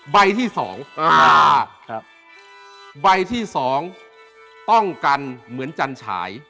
ใบที่สองอ่าครับใบที่สองต้องกันเหมือนจันฉาย